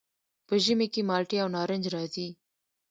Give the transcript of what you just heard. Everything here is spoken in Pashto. په ژمي کې مالټې او نارنج راځي.